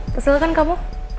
kesel kan kamu